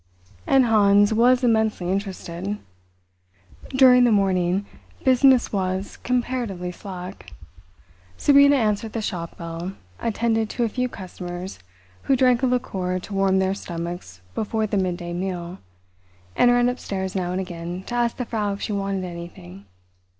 And Hans was immensely interested. During the morning business was comparatively slack. Sabina answered the shop bell, attended to a few customers who drank a liqueur to warm their stomachs before the midday meal, and ran upstairs now and again to ask the Frau if she wanted anything.